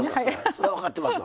そら分かってますわ。